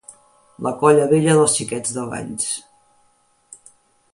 La Colla Vella dels Xiquets de Valls